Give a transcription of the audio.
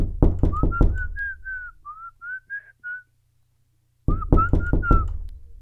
He started his first game for England in the trial against France.